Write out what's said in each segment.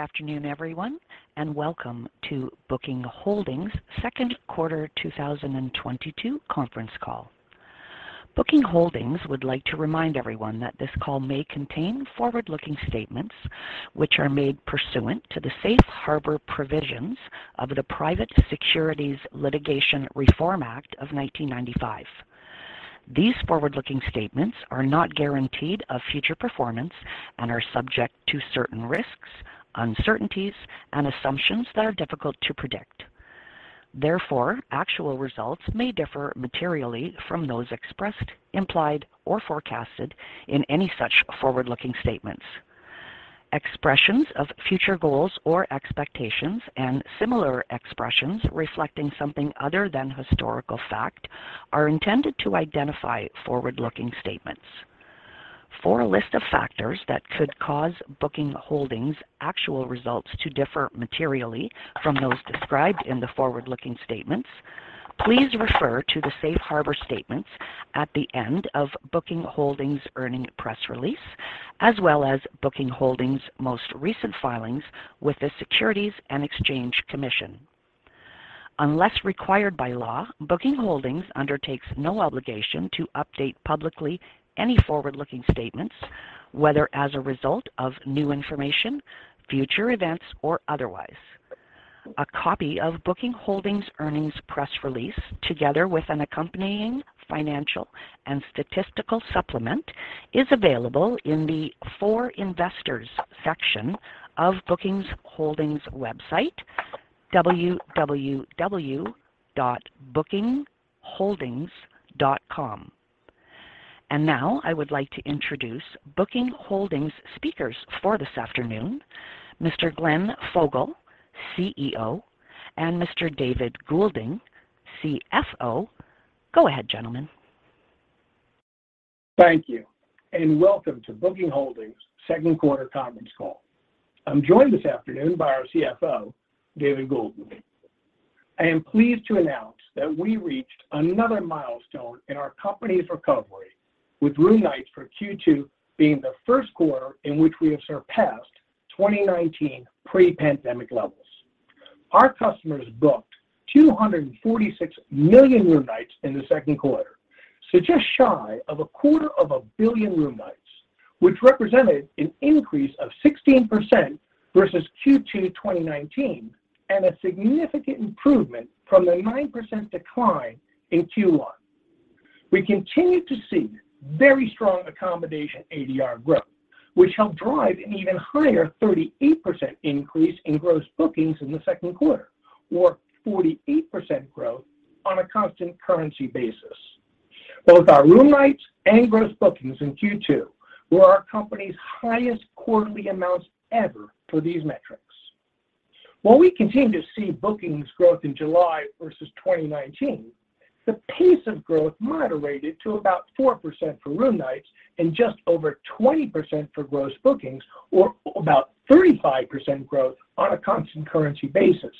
Afternoon, everyone, and welcome to Booking Holdings second quarter 2022 conference call. Booking Holdings would like to remind everyone that this call may contain forward-looking statements which are made pursuant to the safe harbor provisions of the Private Securities Litigation Reform Act of 1995. These forward-looking statements are not guaranteed of future performance and are subject to certain risks, uncertainties, and assumptions that are difficult to predict. Therefore, actual results may differ materially from those expressed, implied, or forecasted in any such forward-looking statements. Expressions of future goals or expectations and similar expressions reflecting something other than historical fact are intended to identify forward-looking statements. For a list of factors that could cause Booking Holdings' actual results to differ materially from those described in the forward-looking statements, please refer to the safe harbor statements at the end of Booking Holdings' earnings press release, as well as Booking Holdings' most recent filings with the Securities and Exchange Commission. Unless required by law, Booking Holdings undertakes no obligation to update publicly any forward-looking statements, whether as a result of new information, future events, or otherwise. A copy of Booking Holdings' earnings press release, together with an accompanying financial and statistical supplement, is available in the For Investors section of Booking Holdings' website, www.bookingholdings.com. Now I would like to introduce Booking Holdings' speakers for this afternoon, Mr. Glenn Fogel, CEO, and Mr. David Goulden, CFO. Go ahead, gentlemen. Thank you, and welcome to Booking Holdings second quarter conference call. I'm joined this afternoon by our CFO, David Goulden. I am pleased to announce that we reached another milestone in our company's recovery with room nights for Q2 being the first quarter in which we have surpassed 2019 pre-pandemic levels. Our customers booked 246 million room nights in the second quarter, so just shy of a quarter of a billion room nights, which represented an increase of 16% versus Q2 2019, and a significant improvement from the 9% decline in Q1. We continue to see very strong accommodation ADR growth, which helped drive an even higher 38% increase in gross bookings in the second quarter, or 48% growth on a constant currency basis. Both our room nights and gross bookings in Q2 were our company's highest quarterly amounts ever for these metrics. While we continue to see bookings growth in July versus 2019, the pace of growth moderated to about 4% for room nights and just over 20% for gross bookings, or about 35% growth on a constant currency basis,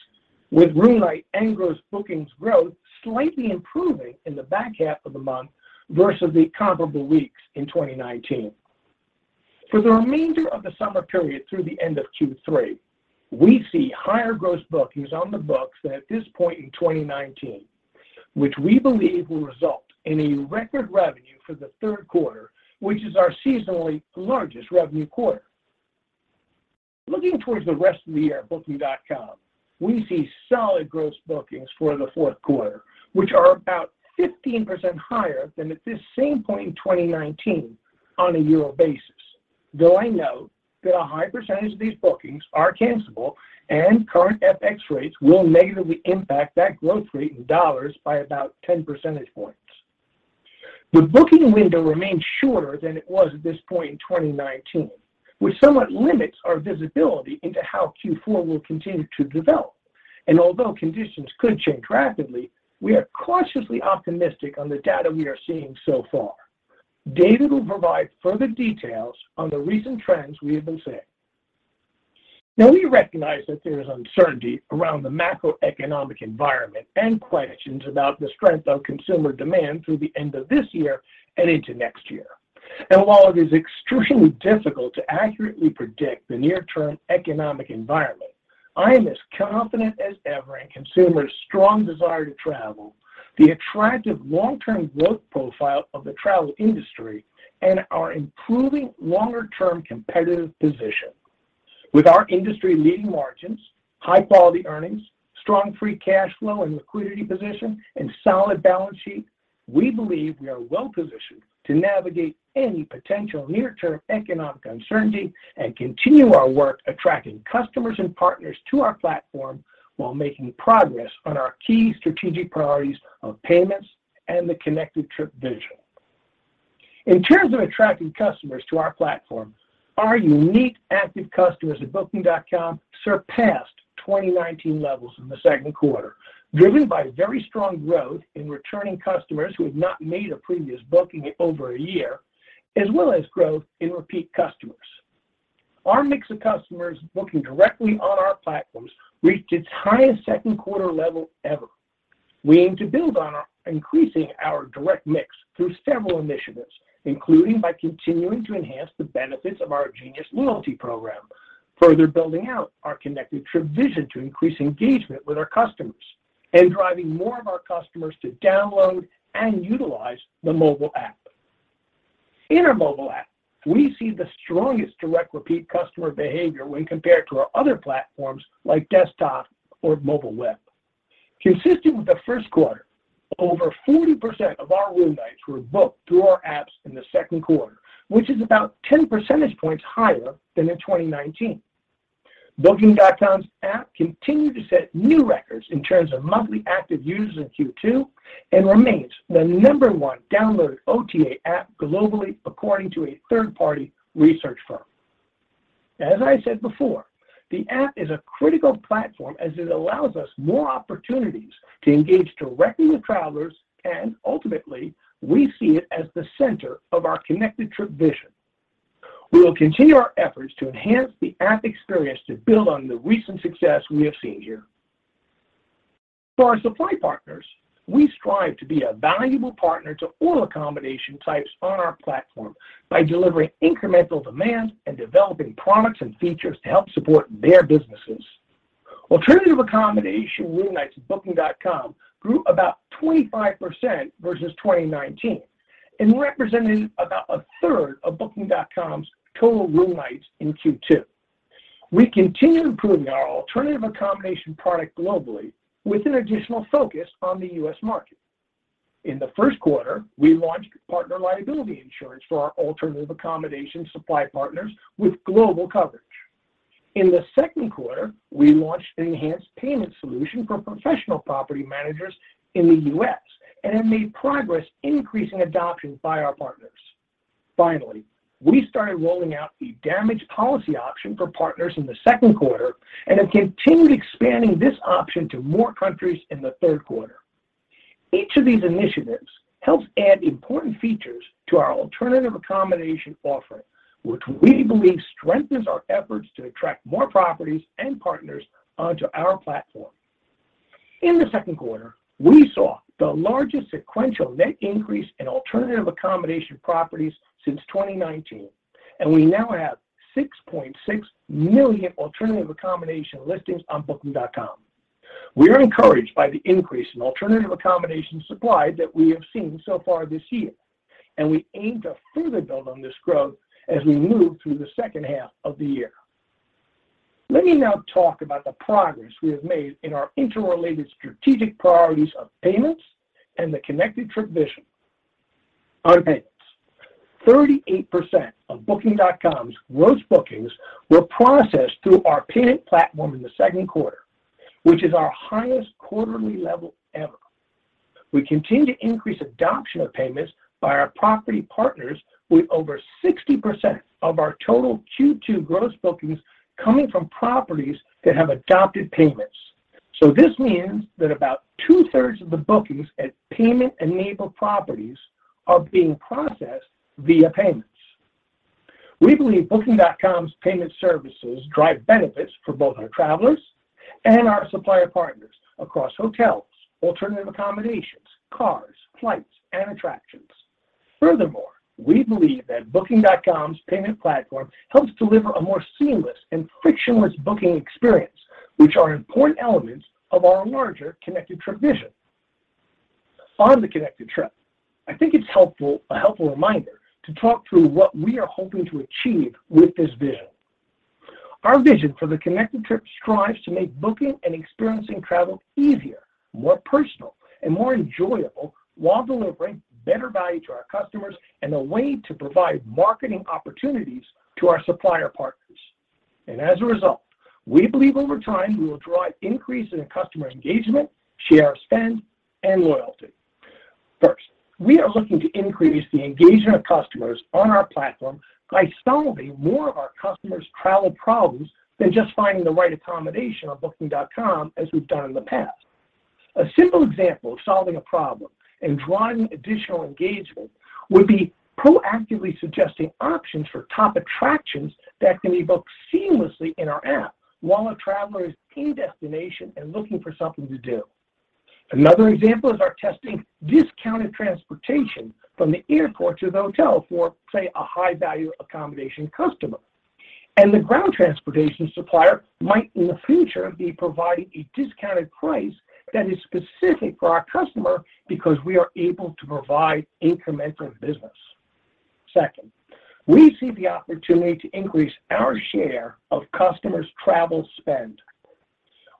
with room night and gross bookings growth slightly improving in the back half of the month versus the comparable weeks in 2019. For the remainder of the summer period through the end of Q3, we see higher gross bookings on the books at this point in 2019, which we believe will result in a record revenue for the third quarter, which is our seasonally largest revenue quarter. Looking towards the rest of the year at Booking.com, we see solid gross bookings for the fourth quarter, which are about 15% higher than at this same point in 2019 on a year-over-year basis, though I know that a high percentage of these bookings are cancelable and current FX rates will negatively impact that growth rate in dollars by about 10 percentage points. The booking window remains shorter than it was at this point in 2019, which somewhat limits our visibility into how Q4 will continue to develop. Although conditions could change rapidly, we are cautiously optimistic on the data we are seeing so far. David will provide further details on the recent trends we have been seeing. Now we recognize that there is uncertainty around the macroeconomic environment and questions about the strength of consumer demand through the end of this year and into next year. While it is excruciatingly difficult to accurately predict the near term economic environment, I am as confident as ever in consumers' strong desire to travel, the attractive long term growth profile of the travel industry, and our improving longer term competitive position. With our industry-leading margins, high-quality earnings, strong free cash flow and liquidity position, and solid balance sheet, we believe we are well positioned to navigate any potential near-term economic uncertainty and continue our work attracting customers and partners to our platform while making progress on our key strategic priorities of payments and the Connected Trip vision. In terms of attracting customers to our platform, our unique active customers at Booking.com surpassed 2019 levels in the second quarter, driven by very strong growth in returning customers who have not made a previous booking in over a year, as well as growth in repeat customers. Our mix of customers booking directly on our platforms reached its highest second quarter level ever. We aim to build on our increasing our direct mix through several initiatives, including by continuing to enhance the benefits of our Genius loyalty program, further building out our Connected Trip vision to increase engagement with our customers, and driving more of our customers to download and utilize the mobile app. In our mobile app, we see the strongest direct repeat customer behavior when compared to our other platforms like desktop or mobile web. Consistent with the first quarter, over 40% of our room nights were booked through our apps in the second quarter, which is about 10 percentage points higher than in 2019. Booking.com's app continued to set new records in terms of monthly active users in Q2 and remains the number one downloaded OTA app globally according to a third-party research firm. As I said before, the app is a critical platform as it allows us more opportunities to engage directly with travelers, and ultimately, we see it as the center of our Connected Trip vision. We will continue our efforts to enhance the app experience to build on the recent success we have seen here. For our supply partners, we strive to be a valuable partner to all accommodation types on our platform by delivering incremental demand and developing products and features to help support their businesses. Alternative accommodation room nights at Booking.com grew about 25% versus 2019 and represented about a third of Booking.com's total room nights in Q2. We continue improving our alternative accommodation product globally with an additional focus on the U.S. market. In the first quarter, we launched partner liability insurance for our alternative accommodation supply partners with global coverage. In the second quarter, we launched an enhanced payment solution for professional property managers in the U.S. and have made progress increasing adoption by our partners. Finally, we started rolling out the damage policy option for partners in the second quarter and have continued expanding this option to more countries in the third quarter. Each of these initiatives helps add important features to our alternative accommodation offering, which we believe strengthens our efforts to attract more properties and partners onto our platform. In the second quarter, we saw the largest sequential net increase in alternative accommodation properties since 2019, and we now have 6.6 million alternative accommodation listings on Booking.com. We are encouraged by the increase in alternative accommodation supply that we have seen so far this year, and we aim to further build on this growth as we move through the second half of the year. Let me now talk about the progress we have made in our interrelated strategic priorities of payments and the Connected Trip vision. On payments, 38% of Booking.com's gross bookings were processed through our payment platform in the second quarter, which is our highest quarterly level ever. We continue to increase adoption of payments by our property partners with over 60% of our total Q2 gross bookings coming from properties that have adopted payments. This means that about 2/3s of the bookings at payment-enabled properties are being processed via payments. We believe Booking.com's payment services drive benefits for both our travelers and our supplier partners across hotels, alternative accommodations, cars, flights, and attractions. Furthermore, we believe that Booking.com's payment platform helps deliver a more seamless and frictionless booking experience, which are important elements of our larger Connected Trip vision. On the Connected Trip, I think it's a helpful reminder to talk through what we are hoping to achieve with this vision. Our vision for the Connected Trip strives to make booking and experiencing travel easier, more personal, and more enjoyable while delivering better value to our customers and a way to provide marketing opportunities to our supplier partners. As a result, we believe over time, we will drive increases in customer engagement, share spend, and loyalty. First, we are looking to increase the engagement of customers on our platform by solving more of our customers' travel problems than just finding the right accommodation on Booking.com as we've done in the past. A simple example of solving a problem and driving additional engagement would be proactively suggesting options for top attractions that can be booked seamlessly in our app while a traveler is in destination and looking for something to do. Another example is our testing discounted transportation from the airport to the hotel for, say, a high-value accommodation customer. The ground transportation supplier might, in the future, be providing a discounted price that is specific for our customer because we are able to provide incremental business. Second, we see the opportunity to increase our share of customers' travel spend.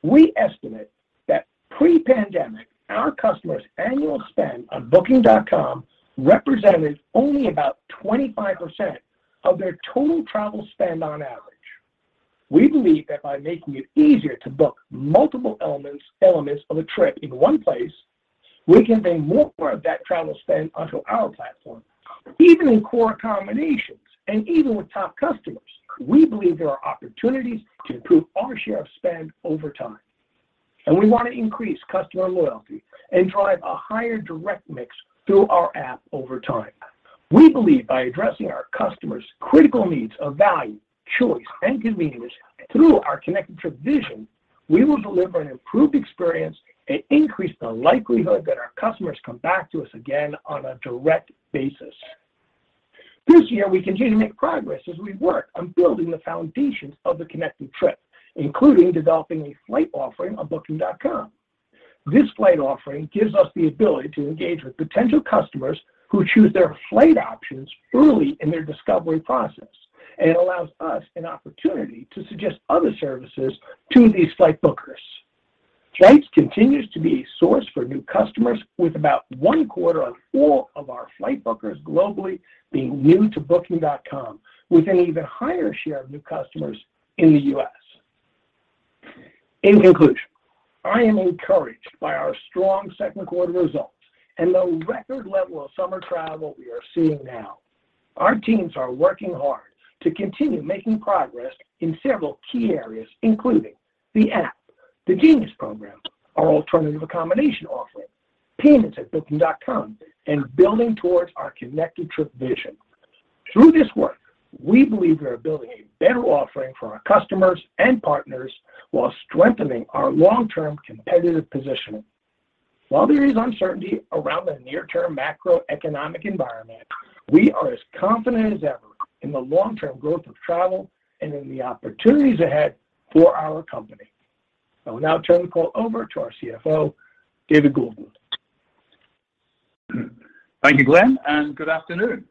We estimate that pre-pandemic, our customers' annual spend on Booking.com represented only about 25% of their total travel spend on average. We believe that by making it easier to book multiple elements of a trip in one place, we can bring more of that travel spend onto our platform. Even in core accommodations and even with top customers, we believe there are opportunities to improve our share of spend over time. We want to increase customer loyalty and drive a higher direct mix through our app over time. We believe by addressing our customers' critical needs of value, choice, and convenience through our Connected Trip vision, we will deliver an improved experience and increase the likelihood that our customers come back to us again on a direct basis. This year, we continue to make progress as we work on building the foundations of the Connected Trip, including developing a flight offering on Booking.com. This flight offering gives us the ability to engage with potential customers who choose their flight options early in their discovery process, and it allows us an opportunity to suggest other services to these flight bookers. Flights continues to be a source for new customers with about 1/4 of all of our flight bookers globally being new to Booking.com, with an even higher share of new customers in the U.S. In conclusion, I am encouraged by our strong second quarter results and the record level of summer travel we are seeing now. Our teams are working hard to continue making progress in several key areas, including the app, the Genius program, our alternative accommodation offering, payments at Booking.com, and building towards our Connected Trip vision. Through this work, we believe we are building a better offering for our customers and partners while strengthening our long-term competitive positioning. While there is uncertainty around the near-term macroeconomic environment, we are as confident as ever in the long-term growth of travel and in the opportunities ahead for our company. I will now turn the call over to our CFO, David Goulden. Thank you, Glenn, and good afternoon.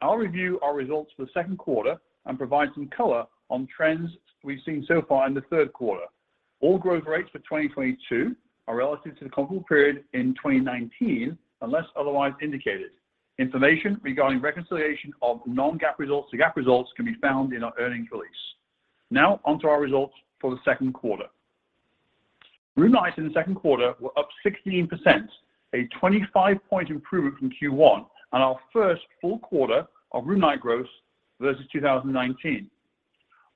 I'll review our results for the second quarter and provide some color on trends we've seen so far in the third quarter. All growth rates for 2022 are relative to the comparable period in 2019 unless otherwise indicated. Information regarding reconciliation of non-GAAP results to GAAP results can be found in our earnings release. Now on to our results for the second quarter. Room nights in the second quarter were up 16%, a 25-point improvement from Q1 and our first full quarter of room night growth versus 2019.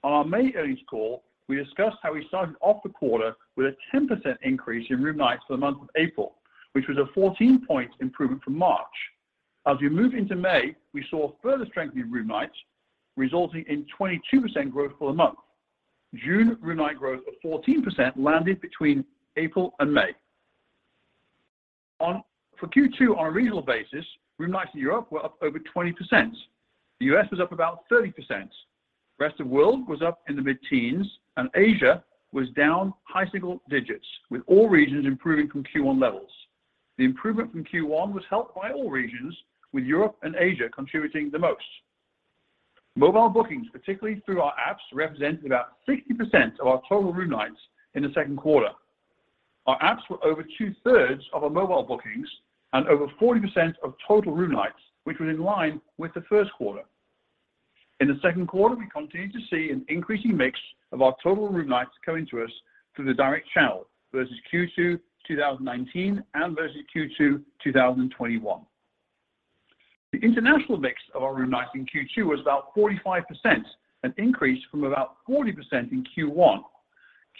On our May earnings call, we discussed how we started off the quarter with a 10% increase in room nights for the month of April, which was a 14-point improvement from March. As we moved into May, we saw further strength in room nights, resulting in 22% growth for the month. June room night growth of 14% landed between April and May. For Q2 on a regional basis, room nights in Europe were up over 20%. The U.S. was up about 30%. The rest of world was up in the mid-teens, and Asia was down high single digits, with all regions improving from Q1 levels. The improvement from Q1 was helped by all regions, with Europe and Asia contributing the most. Mobile bookings, particularly through our apps, represented about 60% of our total room nights in the second quarter. Our apps were over 2/3s of our mobile bookings and over 40% of total room nights, which was in line with the first quarter. In the second quarter, we continued to see an increasing mix of our total room nights coming to us through the direct channel versus Q2 2019 and versus Q2 2021. The international mix of our room nights in Q2 was about 45%, an increase from about 40% in Q1.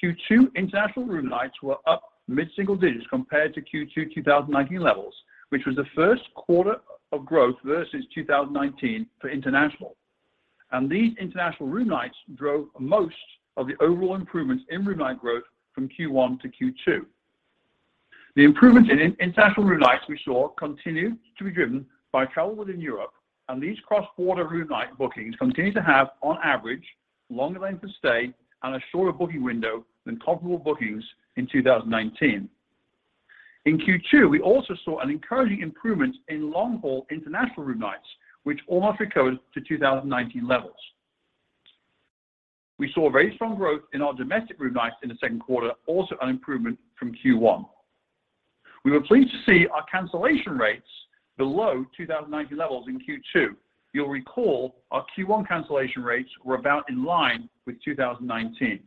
Q2 international room nights were up mid-single digits compared to Q2 2019 levels, which was the first quarter of growth versus 2019 for international. These international room nights drove most of the overall improvements in room night growth from Q1 to Q2. The improvement in international room nights we saw continued to be driven by travel within Europe, and these cross-border room night bookings continue to have, on average, longer length of stay and a shorter booking window than comparable bookings in 2019. In Q2, we also saw an encouraging improvement in long-haul international room nights, which almost recovered to 2019 levels. We saw very strong growth in our domestic room nights in the second quarter, also an improvement from Q1. We were pleased to see our cancellation rates below 2019 levels in Q2. You'll recall our Q1 cancellation rates were about in line with 2019.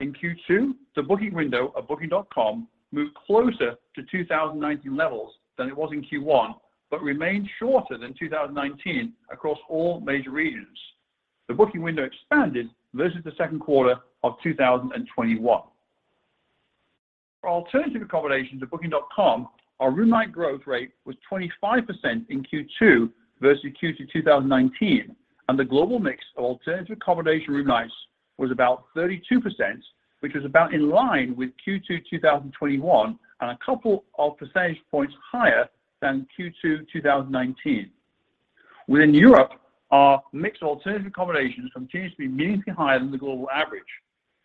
In Q2, the booking window of Booking.com moved closer to 2019 levels than it was in Q1, but remained shorter than 2019 across all major regions. The booking window expanded versus the second quarter of 2021. For alternative accommodations at Booking.com, our room night growth rate was 25% in Q2 versus Q2 2019, and the global mix of alternative accommodation room nights was about 32%, which was about in line with Q2 2021 and a couple of percentage points higher than Q2 2019. Within Europe, our mix of alternative accommodations continues to be meaningfully higher than the global average.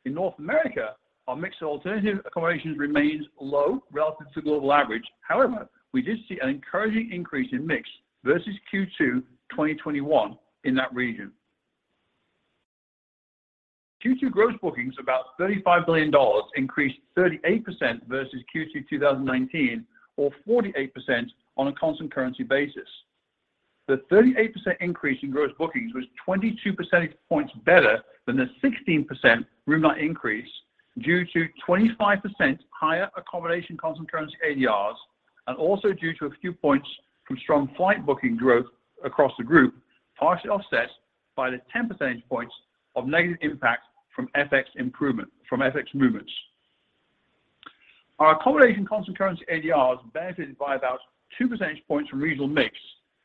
In North America, our mix of alternative accommodations remains low relative to the global average. However, we did see an encouraging increase in mix versus Q2 2021 in that region. Q2 gross bookings, about $35 billion, increased 38% versus Q2 2019 or 48% on a constant currency basis. The 38% increase in gross bookings was 22 percentage points better than the 16% room night increase due to 25% higher accommodation constant currency ADRs and also due to a few points from strong flight booking growth across the group, partially offset by the 10 percentage points of negative impact from FX movements. Our accommodation constant currency ADRs benefited by about 2 percentage points from regional mix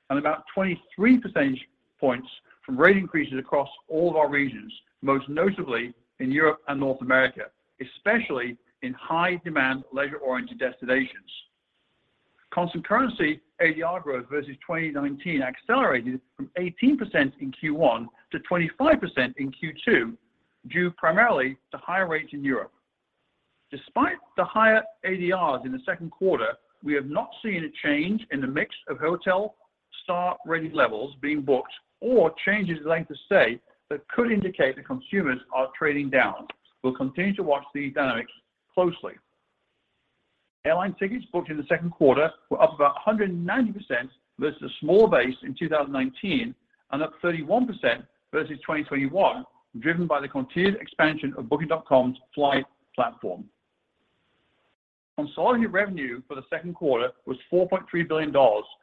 and about 23 percentage points from rate increases across all of our regions, most notably in Europe and North America, especially in high demand leisure-oriented destinations. Constant currency ADR growth versus 2019 accelerated from 18% in Q1 to 25% in Q2, due primarily to higher rates in Europe. Despite the higher ADRs in the second quarter, we have not seen a change in the mix of hotel star rating levels being booked or changes in length of stay that could indicate that consumers are trading down. We'll continue to watch these dynamics closely. Airline tickets booked in the second quarter were up about 190% versus a small base in 2019, and up 31% versus 2021, driven by the continued expansion of Booking.com's flight platform. Consolidated revenue for the second quarter was $4.3 billion,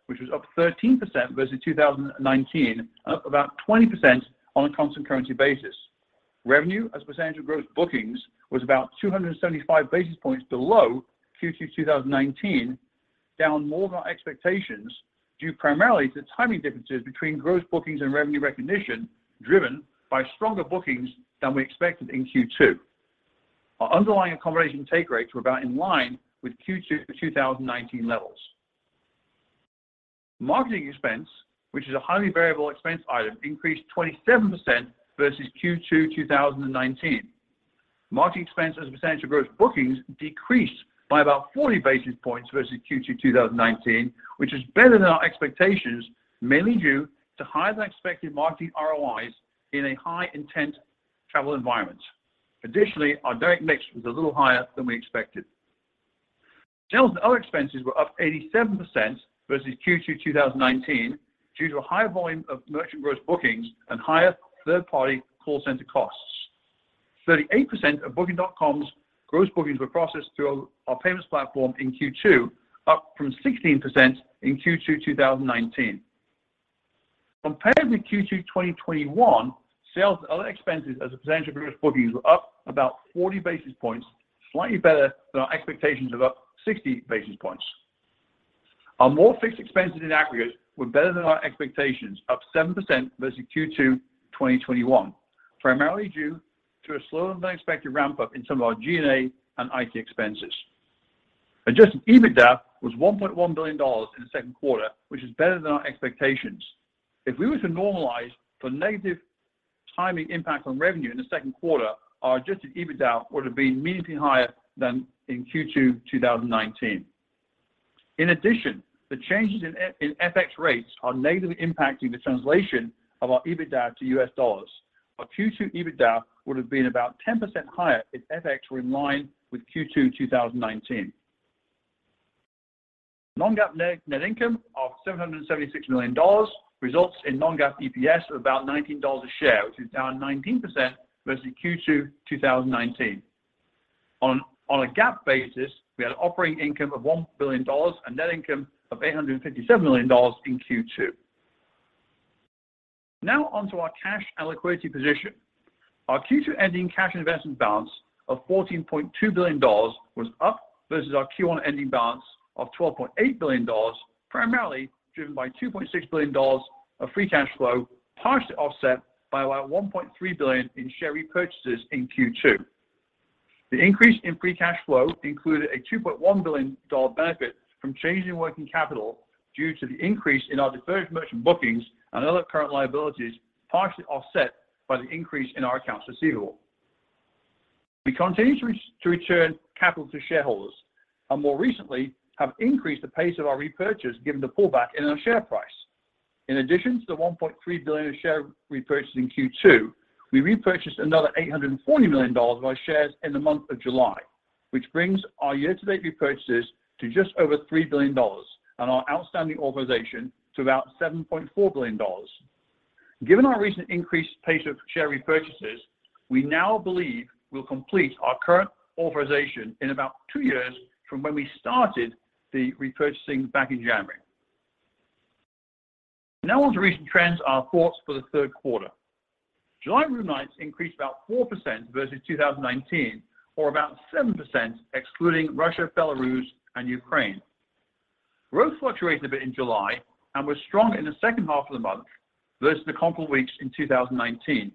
which was up 13% versus 2019, and up about 20% on a constant currency basis. Revenue as a percentage of gross bookings was about 275 basis points below Q2 2019, down more than our expectations due primarily to timing differences between gross bookings and revenue recognition driven by stronger bookings than we expected in Q2. Our underlying accommodation take rates were about in line with Q2 2019 levels. Marketing expense, which is a highly variable expense item, increased 27% versus Q2 2019. Marketing expense as a percentage of gross bookings decreased by about 40 basis points versus Q2 2019, which is better than our expectations, mainly due to higher than expected marketing ROIs in a high intent travel environment. Additionally, our direct mix was a little higher than we expected. Sales and other expenses were up 87% versus Q2 2019 due to a higher volume of merchant gross bookings and higher third-party call center costs. 38% of Booking.com's gross bookings were processed through our payments platform in Q2, up from 16% in Q2 2019. Compared with Q2 2021, sales and other expenses as a percentage of gross bookings were up about 40 basis points, slightly better than our expectations of up 60 basis points. Our more fixed expenses in aggregate were better than our expectations, up 7% versus Q2 2021, primarily due to a slower than expected ramp-up in some of our G&A and IT expenses. Adjusted EBITDA was $1.1 billion in the second quarter, which is better than our expectations. If we were to normalize for negative timing impact on revenue in the second quarter, our Adjusted EBITDA would have been meaningfully higher than in Q2 2019. In addition, the changes in FX rates are negatively impacting the translation of our EBITDA to US dollars. Our Q2 EBITDA would have been about 10% higher if FX were in line with Q2 2019. Non-GAAP net income of $776 million results in non-GAAP EPS of about $19 a share, which is down 19% versus Q2 2019. On a GAAP basis, we had operating income of $1 billion and net income of $857 million in Q2. Now on to our cash and liquidity position. Our Q2 ending cash and investment balance of $14.2 billion was up versus our Q1 ending balance of $12.8 billion, primarily driven by $2.6 billion of free cash flow, partially offset by about $1.3 billion in share repurchases in Q2. The increase in free cash flow included a $2.1 billion benefit from changes in working capital due to the increase in our deferred merchant bookings and other current liabilities, partially offset by the increase in our accounts receivable. We continue to return capital to shareholders, and more recently have increased the pace of our repurchase given the pullback in our share price. In addition to the $1.3 billion of shares repurchased in Q2, we repurchased another $840 million of our shares in the month of July, which brings our year-to-date repurchases to just over $3 billion and our outstanding authorization to about $7.4 billion. Given our recent increased pace of share repurchases, we now believe we'll complete our current authorization in about two years from when we started the repurchasing back in January. Now on to recent trends and our thoughts for the third quarter. July room nights increased about 4% versus 2019, or about 7% excluding Russia, Belarus, and Ukraine. Growth fluctuated a bit in July and was strong in the second half of the month versus the comparable weeks in 2019.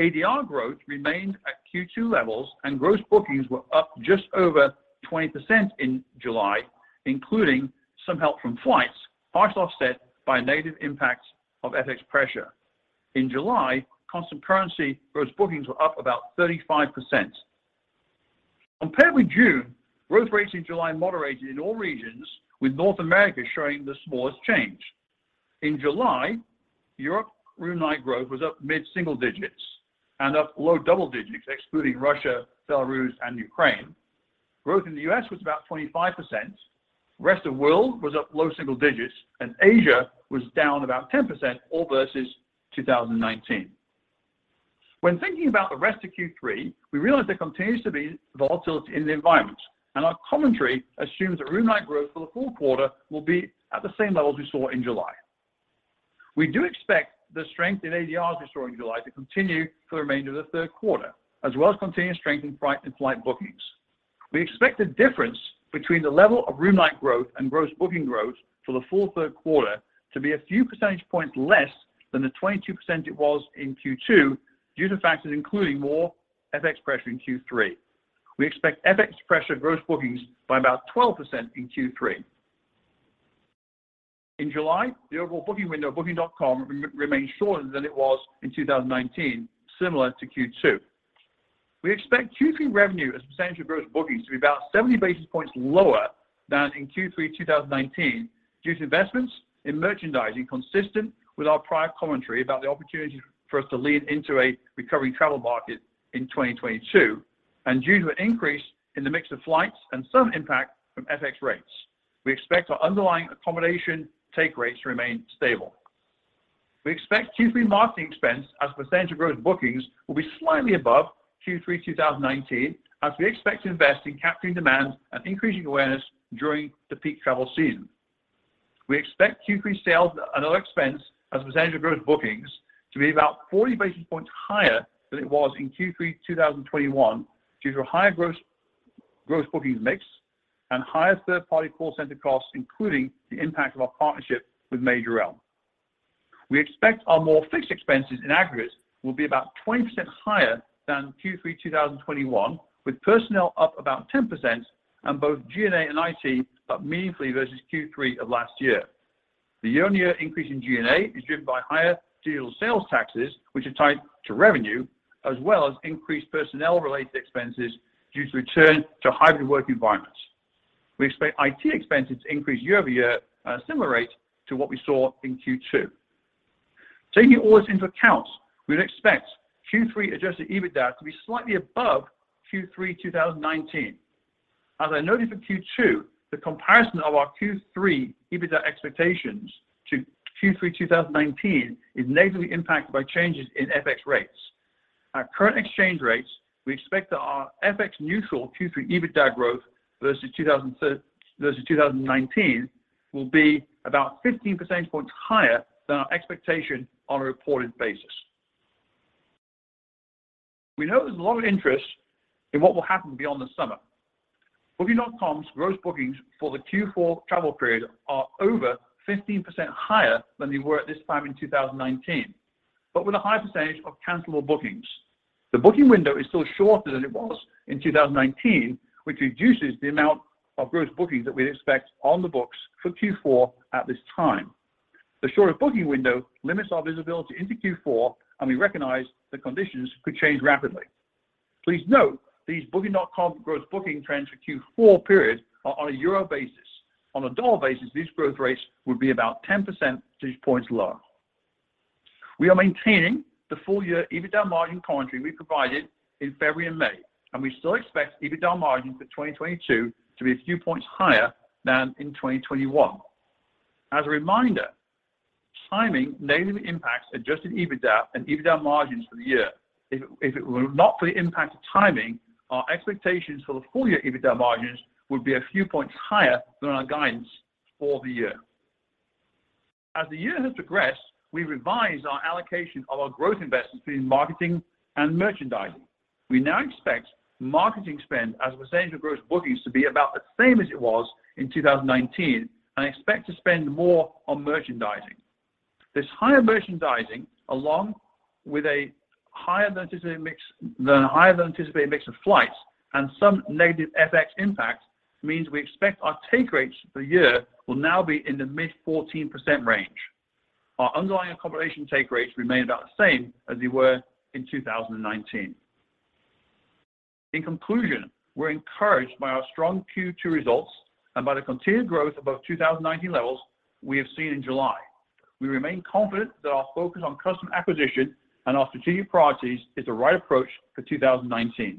ADR growth remained at Q2 levels and gross bookings were up just over 20% in July, including some help from flights, partially offset by negative impacts of FX pressure. In July, constant currency gross bookings were up about 35%. Compared with June, growth rates in July moderated in all regions, with North America showing the smallest change. In July, Europe room night growth was up mid-single digits and up low double digits, excluding Russia, Belarus and Ukraine. Growth in the U.S. was about 25%. The rest of world was up low single digits, and Asia was down about 10%, all versus 2019. When thinking about the rest of Q3, we realize there continues to be volatility in the environment, and our commentary assumes that room night growth for the full quarter will be at the same levels we saw in July. We do expect the strength in ADRs we saw in July to continue for the remainder of the third quarter, as well as continued strength in in flight bookings. We expect the difference between the level of room night growth and gross booking growth for the full third quarter to be a few percentage points less than the 22% it was in Q2 due to factors including more FX pressure in Q3. We expect FX to pressure gross bookings by about 12% in Q3. In July, the overall booking window of Booking.com remained shorter than it was in 2019, similar to Q2. We expect Q3 revenue as a percentage of gross bookings to be about 70 basis points lower than in Q3 2019 due to investments in merchandising consistent with our prior commentary about the opportunity for us to lead into a recovery travel market in 2022, and due to an increase in the mix of flights and some impact from FX rates. We expect our underlying accommodation take rates to remain stable. We expect Q3 marketing expense as a percentage of gross bookings will be slightly above Q3 2019 as we expect to invest in capturing demand and increasing awareness during the peak travel season. We expect Q3 sales and other expense as a percentage of gross bookings to be about 40 basis points higher than it was in Q3 2021 due to a higher gross bookings mix and higher third-party call center costs, including the impact of our partnership with Majorel. We expect our more fixed expenses in aggregate will be about 20% higher than Q3 2021, with personnel up about 10% and both G&A and IT up meaningfully versus Q3 of last year. The year-on-year increase in G&A is driven by higher deal sales taxes, which are tied to revenue, as well as increased personnel-related expenses due to return to hybrid work environments. We expect IT expenses to increase year-over-year at a similar rate to what we saw in Q2. Taking all this into account, we'd expect Q3 Adjusted EBITDA to be slightly above Q3 2019. As I noted for Q2, the comparison of our Q3 EBITDA expectations to Q3 2019 is negatively impacted by changes in FX rates. At current exchange rates, we expect that our FX neutral Q3 EBITDA growth versus 2019 will be about 15 percentage points higher than our expectation on a reported basis. We know there's a lot of interest in what will happen beyond the summer. Booking.com's gross bookings for the Q4 travel period are over 15% higher than they were at this time in 2019, but with a higher percentage of cancelable bookings. The booking window is still shorter than it was in 2019, which reduces the amount of gross bookings that we'd expect on the books for Q4 at this time. The shorter booking window limits our visibility into Q4, and we recognize the conditions could change rapidly. Please note these Booking.com gross booking trends for Q4 period are on a euro basis. On a dollar basis, these growth rates would be about 10 percentage points lower. We are maintaining the full year EBITDA margin commentary we provided in February and May, and we still expect EBITDA margins for 2022 to be a few points higher than in 2021. As a reminder, timing negatively impacts Adjusted EBITDA and EBITDA margins for the year. If it were not for the impact of timing, our expectations for the full year EBITDA margins would be a few points higher than our guidance for the year. As the year has progressed, we revised our allocation of our growth investments between marketing and merchandising. We now expect marketing spend as a percentage of gross bookings to be about the same as it was in 2019 and expect to spend more on merchandising. This higher merchandising, along with a higher-than-anticipated mix of flights and some negative FX impact means we expect our take rates for the year will now be in the mid-14% range. Our underlying accommodation take rates remain about the same as they were in 2019. In conclusion, we're encouraged by our strong Q2 results and by the continued growth above 2019 levels we have seen in July. We remain confident that our focus on customer acquisition and our strategic priorities is the right approach for 2022.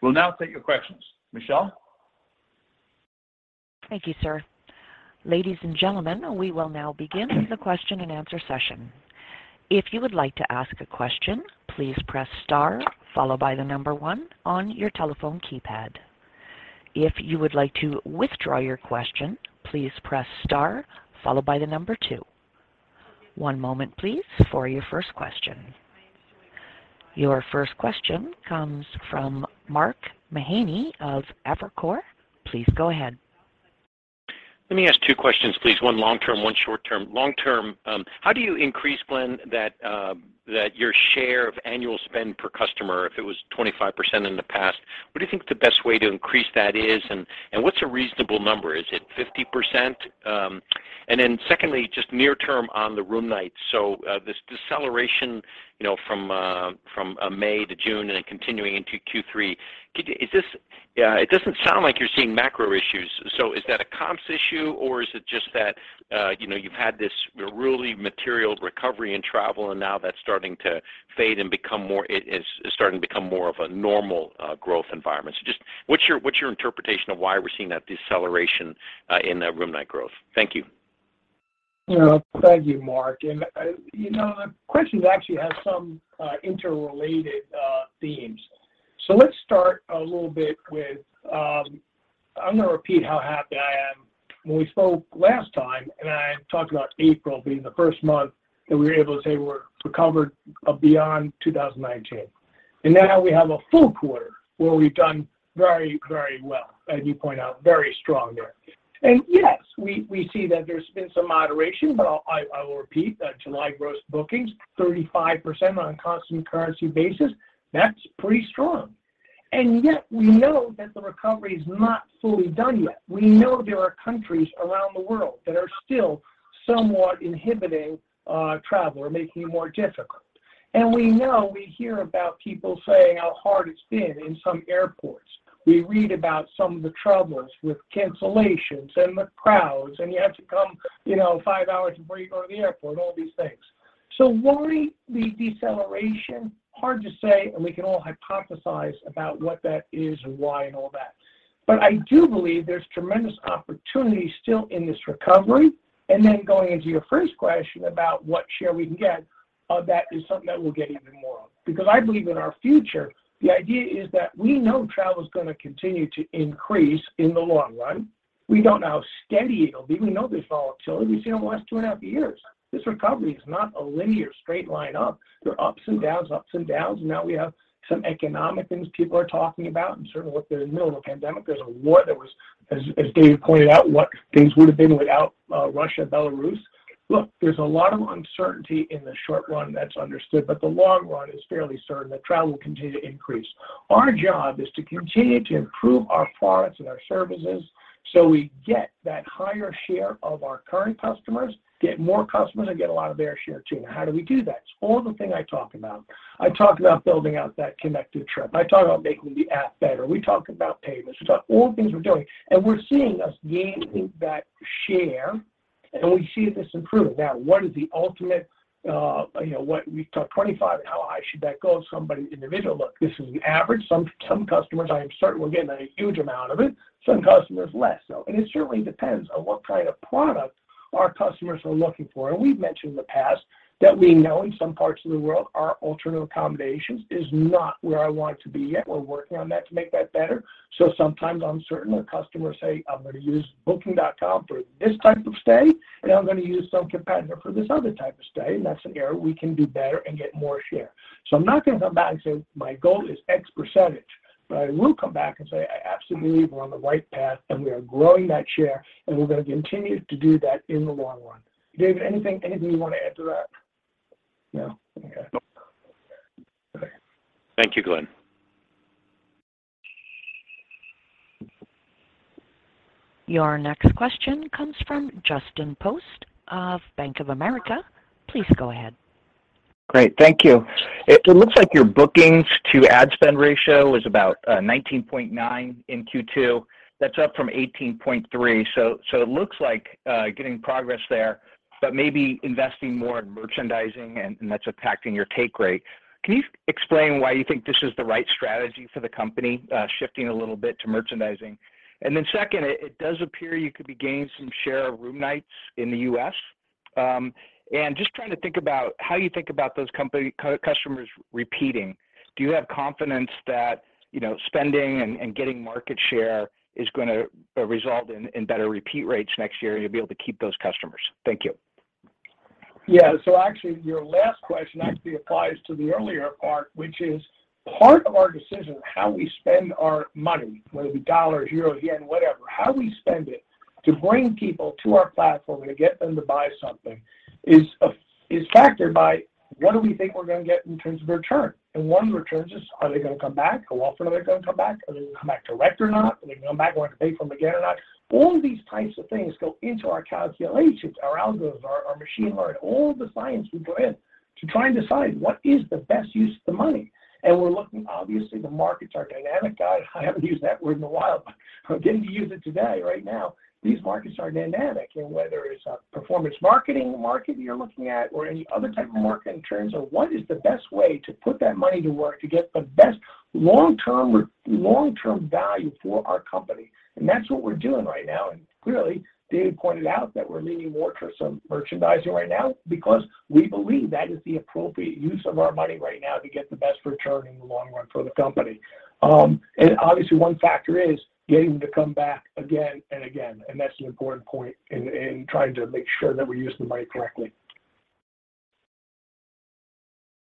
We'll now take your questions. Michelle? Thank you, sir. Ladies and gentlemen, we will now begin the question and answer session. If you would like to ask a question, please press star followed by the number one on your telephone keypad. If you would like to withdraw your question, please press star followed by the number two. One moment please for your first question. Your first question comes from Mark Mahaney of Evercore. Please go ahead. Let me ask two questions please, one long-term, one short-term. Long-term, how do you increase, Glenn, that your share of annual spend per customer, if it was 25% in the past, what do you think the best way to increase that is, and what's a reasonable number? Is it 50%? Secondly, just near term on the room nights. This deceleration, you know, from May to June and then continuing into Q3. It doesn't sound like you're seeing macro issues. Is that a comps issue, or is it just that, you know, you've had this really material recovery in travel, and now that's starting to fade and become more of a normal growth environment. Just what's your interpretation of why we're seeing that deceleration in the room night growth? Thank you. You know, thank you, Mark. You know, the questions actually have some interrelated themes. Let's start a little bit with, I'm gonna repeat how happy I am. When we spoke last time, and I talked about April being the first month that we were able to say we're recovered, beyond 2019. Now we have a full quarter where we've done very, very well, as you point out, very strong there. Yes, we see that there's been some moderation, but I will repeat that July gross bookings, 35% on a constant currency basis, that's pretty strong. Yet we know that the recovery is not fully done yet. We know there are countries around the world that are still somewhat inhibiting, travel or making it more difficult. We know we hear about people saying how hard it's been in some airports. We read about some of the troubles with cancellations and the crowds, and you have to come, you know, five hours before you go to the airport, all these things. Why may be deceleration? Hard to say, and we can all hypothesize about what that is and why and all that. I do believe there's tremendous opportunity still in this recovery. Then going into your first question about what share we can get of that is something that we'll get even more of. Because I believe in our future, the idea is that we know travel is gonna continue to increase in the long run. We don't know how steady it'll be. We know there's volatility. We've seen over the last two and a half years, this recovery is not a linear straight line up. There are ups and downs, and now we have some economic things people are talking about. Certainly, look, we're in the middle of a pandemic. There's a war, as David pointed out, what things would have been without Russia, Belarus. Look, there's a lot of uncertainty in the short run, that's understood, but the long run is fairly certain that travel will continue to increase. Our job is to continue to improve our [flights] and our services, so we get that higher share of our current customers, get more customers, and get a lot of their share, too. Now how do we do that? It's all the thing I talk about. I talk about building out that Connected Trip. I talk about making the app better. We talk about payments. It's about all the things we're doing. We're seeing us gaining that share, and we see this improving. Now, what is the ultimate, we've talked 25. How high should that go? Somebody individual. Look, this is the average. Some customers, I am certain will get a huge amount of it, some customers less so. It certainly depends on what kind of product our customers are looking for. We've mentioned in the past that we know in some parts of the world our alternative accommodations is not where I want it to be yet. We're working on that to make that better. Sometimes uncertain, our customers say, "I'm going to use Booking.com for this type of stay, and I'm going to use some competitor for this other type of stay." That's an area we can do better and get more share. I'm not going to come back and say, my goal is X percentage, but I will come back and say, I absolutely believe we're on the right path, and we are growing that share, and we're going to continue to do that in the long run. Dave, anything you want to add to that? No? Okay. Nope. Okay. Thank you, Glenn. Your next question comes from Justin Post of Bank of America. Please go ahead. Great. Thank you. It looks like your bookings to ad spend ratio is about 19.9 in Q2. That's up from 18.3. It looks like getting progress there, but maybe investing more in merchandising and that's impacting your take rate. Can you explain why you think this is the right strategy for the company, shifting a little bit to merchandising? Second, it does appear you could be gaining some share of room nights in the U.S., and just trying to think about how you think about those company customers repeating. Do you have confidence that, you know, spending and getting market share is gonna result in better repeat rates next year, and you'll be able to keep those customers? Thank you. Yeah. Actually, your last question actually applies to the earlier part, which is part of our decision, how we spend our money, whether it be US dollar, euro, yen, whatever, how we spend it to bring people to our platform and to get them to buy something is factored by what do we think we're going to get in terms of a return. One return is are they going to come back? How often are they going to come back? Are they going to come back direct or not? Are they going to come back, we're going to pay for them again or not? All these types of things go into our calculations, our algorithms, our machine learning, all the science we put in to try and decide what is the best use of the money. We're looking, obviously, the markets are dynamic. I haven't used that word in a while, but I'm getting to use it today, right now. These markets are dynamic. Whether it's a performance marketing market you're looking at or any other type of market in terms of what is the best way to put that money to work to get the best long-term value for our company. That's what we're doing right now. Clearly, David pointed out that we're leaning more towards some merchandising right now because we believe that is the appropriate use of our money right now to get the best return in the long run for the company. Obviously, one factor is getting to come back again and again, and that's an important point in trying to make sure that we're using the money correctly.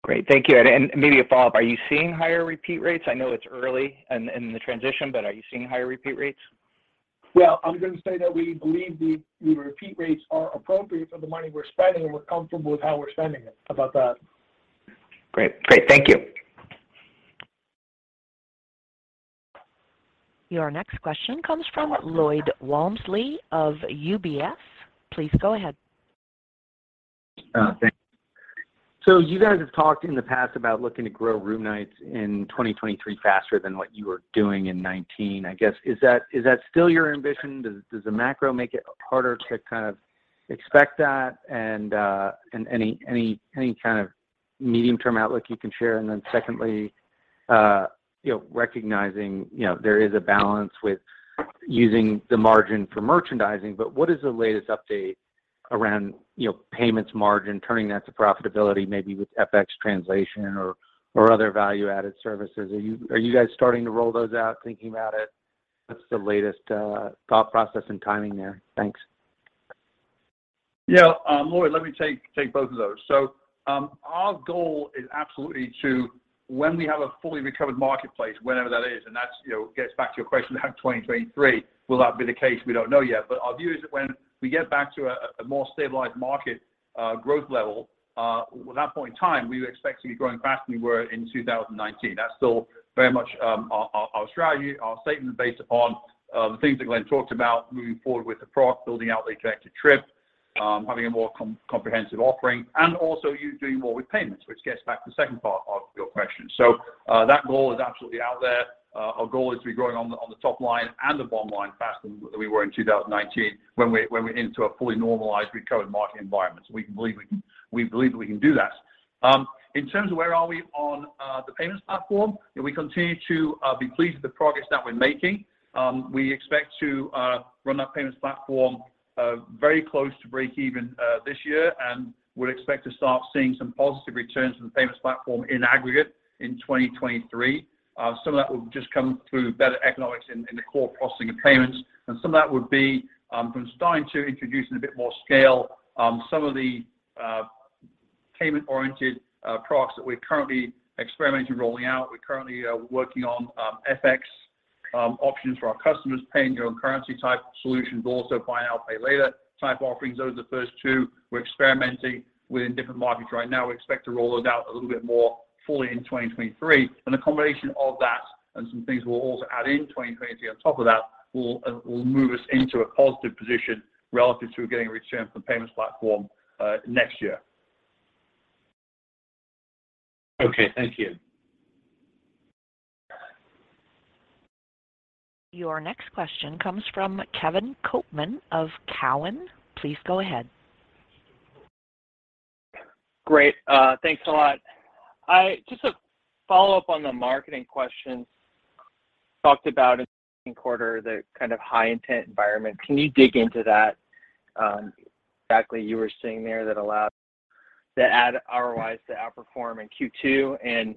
Great. Thank you. Immediate follow-up, are you seeing higher repeat rates? I know it's early in the transition, but are you seeing higher repeat rates? Well, I'm going to say that we believe the repeat rates are appropriate for the money we're spending, and we're comfortable with how we're spending it about that. Great. Thank you. Your next question comes from Lloyd Walmsley of UBS. Please go ahead. Thanks. You guys have talked in the past about looking to grow room nights in 2023 faster than what you were doing in 2019. I guess, is that still your ambition? Does the macro make it harder to kind of expect that and any kind of medium-term outlook you can share? Then secondly, you know, recognizing, you know, there is a balance with using the margin for merchandising, but what is the latest update around, you know, payments margin, turning that to profitability, maybe with FX translation or other value-added services? Are you guys starting to roll those out, thinking about it? What's the latest thought process and timing there? Thanks. Yeah. Lloyd, let me take both of those. Our goal is absolutely to when we have a fully recovered marketplace, whenever that is, and that's, you know, gets back to your question about 2023, will that be the case? We don't know yet. Our view is that when we get back to a more stabilized market growth level, at that point in time, we would expect to be growing faster than we were in 2019. That's still very much our strategy, our statement based upon the things that Glenn talked about moving forward with the product, building out Connected Trip, having a more comprehensive offering, and also us doing more with payments, which gets back to the second part of your question. That goal is absolutely out there. Our goal is to be growing on the top line and the bottom line faster than we were in 2019 when we're into a fully normalized recovered market environment. We believe that we can do that. In terms of where are we on the payments platform, we continue to be pleased with the progress that we're making. We expect to run that payments platform very close to breakeven this year, and would expect to start seeing some positive returns from the payments platform in aggregate in 2023. Some of that will just come through better economics in the core processing of payments, and some of that would be from starting to introduce in a bit more scale some of the payment-oriented products that we're currently experimenting rolling out. We're currently working on FX options for our customers, pay in your own currency type solutions, also buy now, pay later type offerings. Those are the first two. We're experimenting within different markets right now. We expect to roll those out a little bit more fully in 2023. A combination of that and some things we'll also add in 2023 on top of that will move us into a positive position relative to getting a return from the payments platform next year. Okay. Thank you. Your next question comes from Kevin Kopelman of Cowen. Please go ahead. Great. Thanks a lot. Just a follow-up on the marketing question. Talked about in the second quarter, the kind of high intent environment. Can you dig into that, exactly you were seeing there that allowed the ad ROIs to outperform in Q2, and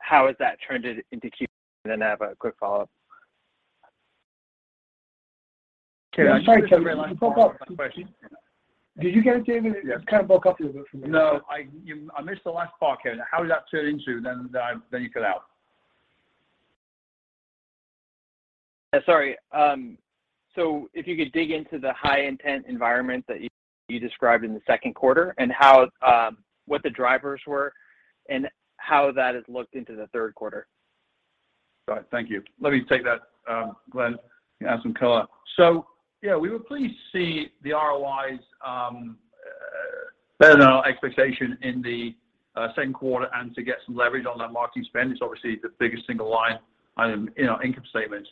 how has that turned into Q3? Then I have a quick follow-up. Sorry, Kevin. You broke up. Did you get it, David? Yes. It kind of broke up a little bit for me. No. I missed the last part, Kevin. How has that turned into, then you cut out. If you could dig into the high intent environment that you described in the second quarter, and how what the drivers were and how that has looked into the third quarter. All right. Thank you. Let me take that, Glenn, add some color. Yeah, we were pleased to see the ROIs better than our expectation in the second quarter and to get some leverage on that marketing spend. It's obviously the biggest single line item in our income statement.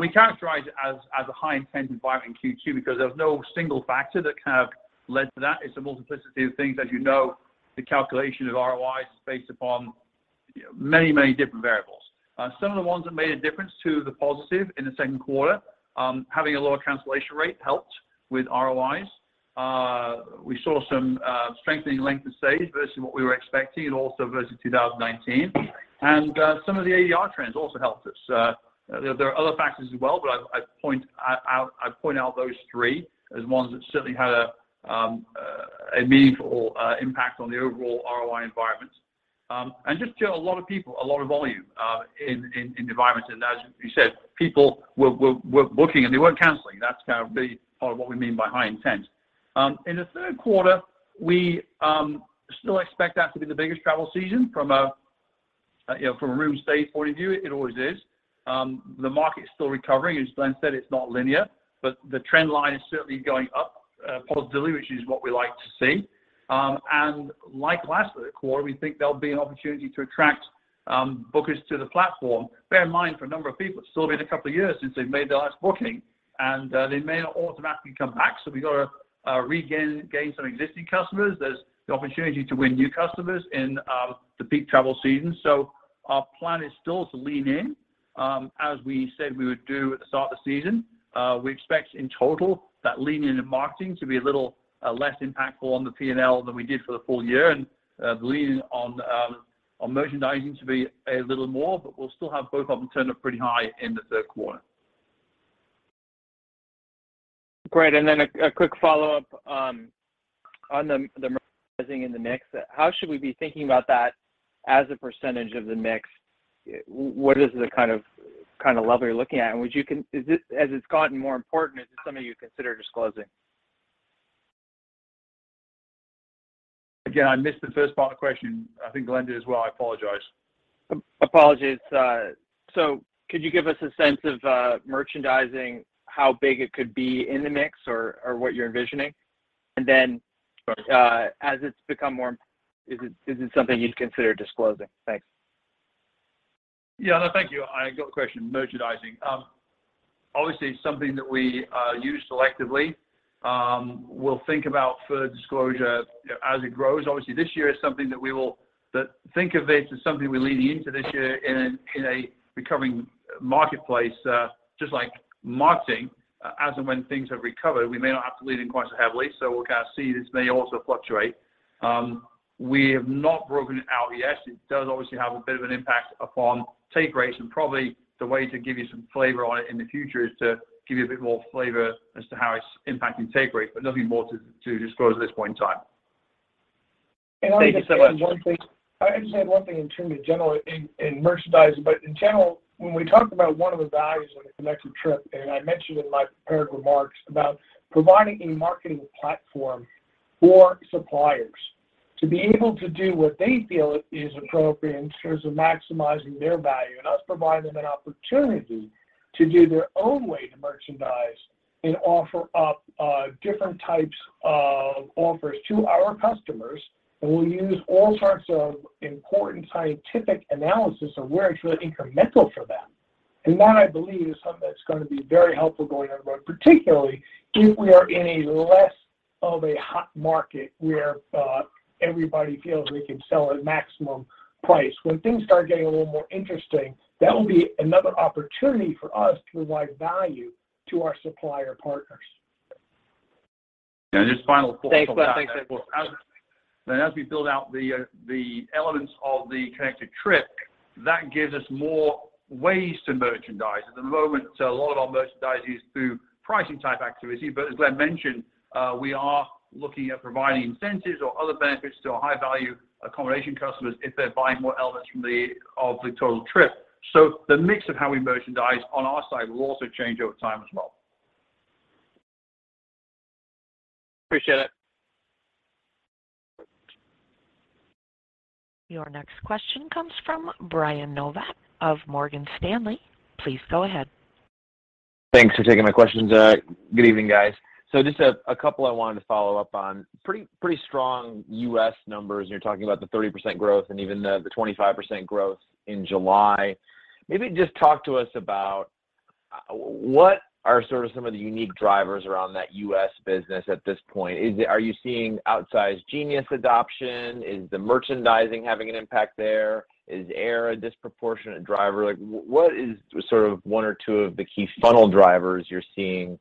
We characterize it as a high intent environment in Q2 because there was no single factor that kind of led to that. It's a multiplicity of things. As you know, the calculation of ROIs is based upon you know, many, many different variables. Some of the ones that made a difference to the positive in the second quarter, having a lower cancellation rate helped with ROIs. We saw some strengthening length of stay versus what we were expecting and also versus 2019. Some of the ADR trends also helped us. There are other factors as well, but I point out those three as ones that certainly had a meaningful impact on the overall ROI environment. Just in general, a lot of people, a lot of volume in the environment. As you said, people were booking, and they weren't canceling. That's kind of the part of what we mean by high intent. In the third quarter, we still expect that to be the biggest travel season from a you know, from a room stay point of view. It always is. The market is still recovering. As Glenn said, it's not linear, but the trend line is certainly going up positively, which is what we like to see. Like last quarter, we think there'll be an opportunity to attract bookers to the platform. Bear in mind, for a number of people, it's still been a couple of years since they've made their last booking, and they may not automatically come back. We've got to regain some existing customers. There's the opportunity to win new customers in the peak travel season. Our plan is still to lean in, as we said we would do at the start of the season. We expect in total that lean in in marketing to be a little less impactful on the P&L than we did for the full year and the lean in on merchandising to be a little more, but we'll still have both of them turned up pretty high in the third quarter. Great. A quick follow-up on the merchandising and the mix. How should we be thinking about that as a percentage of the mix? What is the kind of level you're looking at? As it's gotten more important, is this something you consider disclosing? Again, I missed the first part of the question. I think Glenn did as well. I apologize. Apologies. Could you give us a sense of merchandising, how big it could be in the mix or what you're envisioning? Sorry. Is it something you'd consider disclosing? Thanks. Yeah. No, thank you. I got the question. Merchandising. Obviously something that we use selectively. We'll think about further disclosure as it grows. Obviously, this year is something that we think of it as something we're leaning into this year in a recovering marketplace, just like marketing. As and when things have recovered, we may not have to lean in quite so heavily. We'll kind of see. This may also fluctuate. We have not broken it out yet. It does obviously have a bit of an impact upon take rates, and probably the way to give you some flavor on it in the future is to give you a bit more flavor as to how it's impacting take rate, but nothing more to disclose at this point in time. I'll just add one thing. Thank you so much. I just add one thing in terms of generally in merchandising, but in general, when we talked about one of the values of the Connected Trip, and I mentioned in my prepared remarks about providing a marketing platform for suppliers to be able to do what they feel is appropriate in terms of maximizing their value and us providing them an opportunity to do their own way to merchandise and offer up different types of offers to our customers. We'll use all sorts of important scientific analysis of where it's really incremental for them. That, I believe, is something that's going to be very helpful going forward, particularly if we are in a less of a hot market where everybody feels they can sell at maximum price. When things start getting a little more interesting, that will be another opportunity for us to provide value to our supplier partners. Just final thoughts. Thanks, Glenn. Thanks, everyone. As we build out the elements of the Connected Trip, that gives us more ways to merchandise. At the moment, a lot of our merchandise is through pricing type activity. As Glenn mentioned, we are looking at providing incentives or other benefits to our high value accommodation customers if they're buying more elements of the total trip. The mix of how we merchandise on our side will also change over time as well. Appreciate it. Your next question comes from Brian Nowak of Morgan Stanley. Please go ahead. Thanks for taking my questions. Good evening, guys. Just a couple I wanted to follow up on. Pretty strong U.S. numbers, and you're talking about the 30% growth and even the 25% growth in July. Maybe just talk to us about what are sort of some of the unique drivers around that U.S. business at this point. Are you seeing outsized Genius adoption? Is the merchandising having an impact there? Is air a disproportionate driver? Like what is sort of one or two of the key funnel drivers you're seeing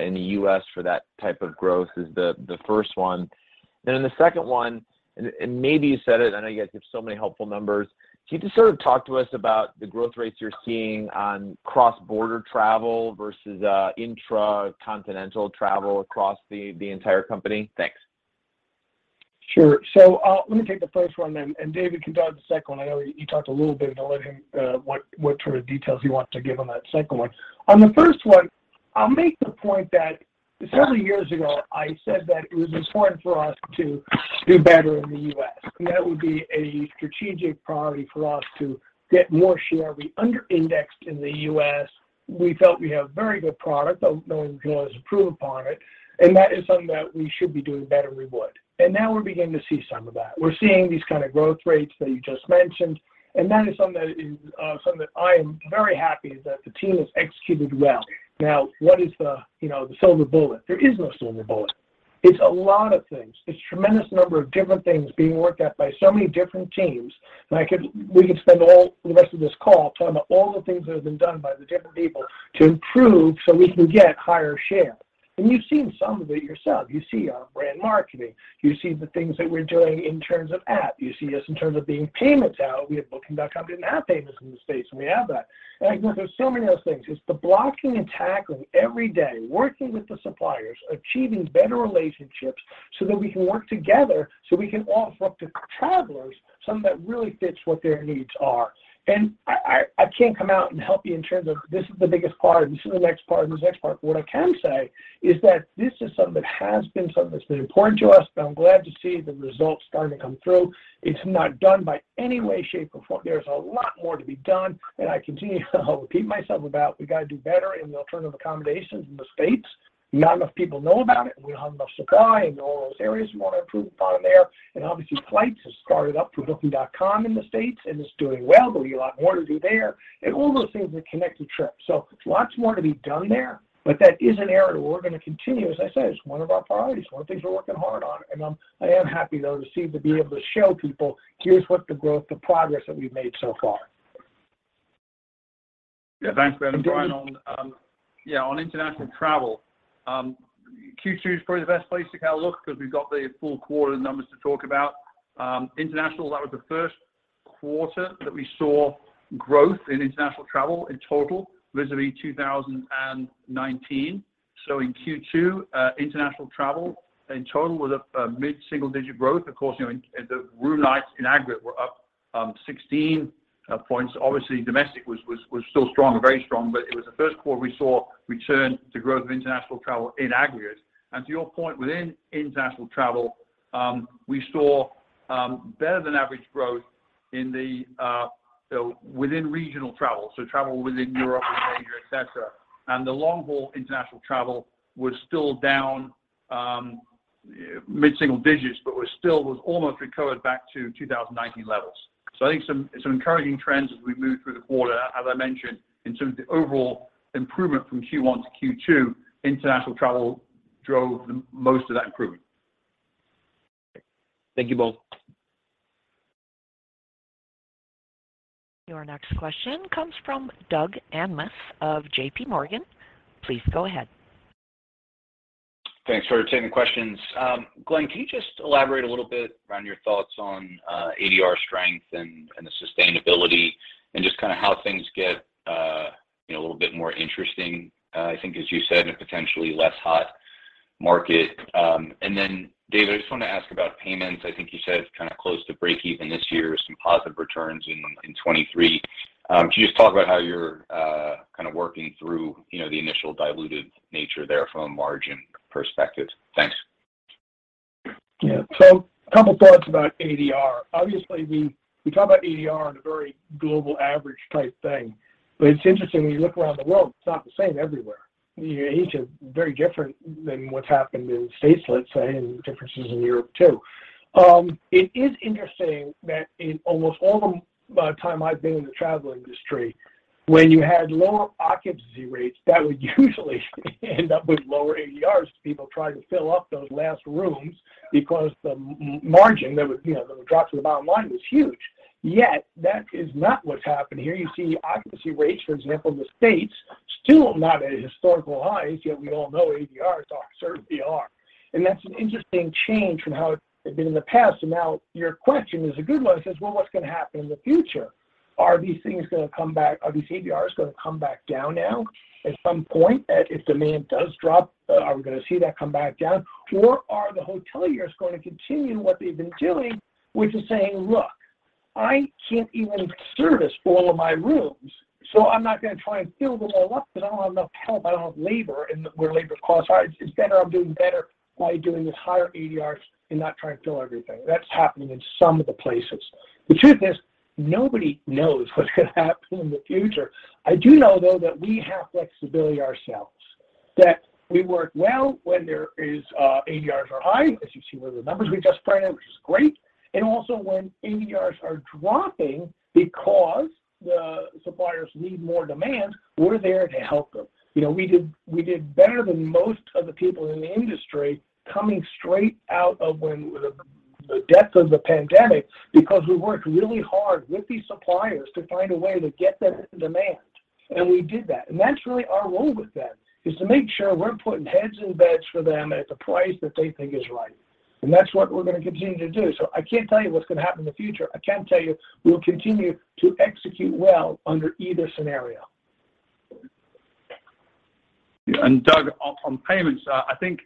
in the U.S. for that type of growth is the first one. Then in the second one, and maybe you said it, I know you guys give so many helpful numbers. Can you just sort of talk to us about the growth rates you're seeing on cross-border travel versus intracontinental travel across the entire company? Thanks. Sure. Let me take the first one then, and David can take the second one. I know you talked a little bit, and I'll let him what sort of details he wants to give on that second one. On the first one, I'll make the point that several years ago I said that it was important for us to do better in the U.S., and that would be a strategic priority for us to get more share. We under-indexed in the U.S. We felt we have very good product, though no one can always improve upon it, and that is something that we should be doing better and we would. Now we're beginning to see some of that. We're seeing these kind of growth rates that you just mentioned, and that is something that is, something that I am very happy that the team has executed well. Now, what is the, you know, the silver bullet? There is no silver bullet. It's a lot of things. It's tremendous number of different things being worked at by so many different teams. We could spend all the rest of this call talking about all the things that have been done by the different people to improve so we can get higher share. You've seen some of it yourself. You see our brand marketing, you see the things that we're doing in terms of app, you see us in terms of being payments out. We have Booking.com didn't have payments in the States, and we have that. There's so many of those things. It's the blocking and tackling every day, working with the suppliers, achieving better relationships so that we can work together, so we can offer up to travelers something that really fits what their needs are. I can't come out and help you in terms of this is the biggest part and this is the next part and this next part. What I can say is that this is something that's been important to us, but I'm glad to see the results starting to come through. It's not done by any way, shape, or form. There's a lot more to be done. I continue to repeat myself about we got to do better in the alternative accommodations in the States. Not enough people know about it, and we don't have enough supply, and all those areas we want to improve upon there. Obviously flights have started up through Booking.com in the States, and it's doing well, but we have a lot more to do there and all those things that connect the trip. Lots more to be done there. That is an area that we're gonna continue. As I said, it's one of our priorities, one of the things we're working hard on. I am happy though to be able to show people here's what the growth, the progress that we've made so far. Yeah. Thanks, Glenn. Brian, on international travel, Q2 is probably the best place to kind of look because we've got the full quarter numbers to talk about. International, that was the first quarter that we saw growth in international travel in total vis-à-vis 2019. In Q2, international travel in total was a mid-single-digit growth. Of course, you know, the room nights in aggregate were up 16 points. Obviously domestic was still strong, very strong, but it was the first quarter we saw return to growth of international travel in aggregate. To your point within international travel, we saw better than average growth within regional travel, so travel within Europe and Asia, et cetera. The long-haul international travel was still down mid-single digits, but was almost recovered back to 2019 levels. I think some encouraging trends as we move through the quarter. As I mentioned, in terms of the overall improvement from Q1 to Q2, international travel drove most of that improvement. Thank you both. Your next question comes from Doug Anmuth of J.P. Morgan. Please go ahead. Thanks for taking the questions. Glenn, can you just elaborate a little bit around your thoughts on ADR strength and the sustainability and just kind of how things get, you know, a little bit more interesting, I think as you said, in a potentially less hot market. David, I just want to ask about payments. I think you said it's kind of close to breakeven this year with some positive returns in 2023. Could you just talk about how you're kind of working through, you know, the initial diluted nature there from a margin perspective? Thanks. Yeah. A couple thoughts about ADR. Obviously, we talk about ADR in a very global average type thing, but it's interesting when you look around the world, it's not the same everywhere. You know, Asia is very different than what's happened in the States, let's say, and differences in Europe too. It is interesting that in almost all the time I've been in the travel industry, when you had lower occupancy rates, that would usually end up with lower ADRs, people trying to fill up those last rooms because the margin that would, you know, drop to the bottom line was huge. Yet, that is not what's happened here. You see occupancy rates, for example, in the States, still not at historical highs, yet we all know ADRs are certainly. That's an interesting change from how it had been in the past. Now your question is a good one. It says, "Well, what's going to happen in the future? Are these ADRs going to come back down now at some point, if demand does drop? Are we going to see that come back down? Or are the hoteliers going to continue what they've been doing, which is saying, 'Look, I can't even service all of my rooms, so I'm not going to try and fill them all up because I don't have enough help. I don't have labor, and where labor costs are, it's better. I'm doing better by doing with higher ADRs and not trying to fill everything.' That's happening in some of the places." The truth is, nobody knows what's going to happen in the future. I do know, though, that we have flexibility ourselves, that we work well when there is, ADRs are high, as you see with the numbers we just printed, which is great. Also when ADRs are dropping because the suppliers need more demand, we're there to help them. You know, we did better than most of the people in the industry coming straight out of when the depths of the pandemic because we worked really hard with these suppliers to find a way to get them demand. We did that. That's really our role with them, is to make sure we're putting heads in beds for them at the price that they think is right. That's what we're going to continue to do. I can't tell you what's going to happen in the future. I can tell you we'll continue to execute well under either scenario. Doug, on payments, I think